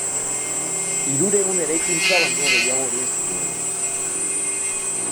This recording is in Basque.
Hirurehun eraikuntza baino gehiago egin zituen.